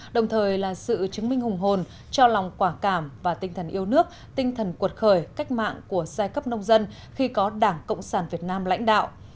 đồng thời là sự chứng minh hùng hồn cho lòng quả cảm và tinh thần yêu nước tinh thần cuột khởi cách mạng của giai cấp nông dân khi có đảng cộng sản việt nam lãnh đạo